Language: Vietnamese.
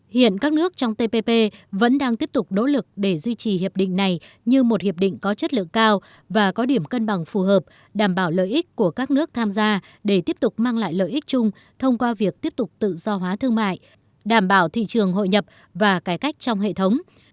hiện các nước trong tpp vẫn đang tiếp tục nỗ lực để duy trì hiệp định này như một hiệp định có chất lượng cao và có điểm cân bằng phù hợp đảm bảo lợi ích của các nước tham gia để tiếp tục mang lại lợi ích chung thông qua việc tiếp tục tự do hóa thương mại đảm bảo thị trường hội nhập và cải cách trong hệ thống